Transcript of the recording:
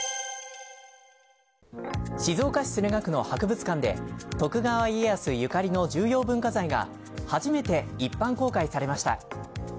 静岡県駿河区の博物館で徳川家康ゆかりの重要文化財が初めて一般公開されました。